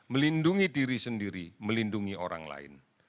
melindungi diri sendiri melindungi orang lain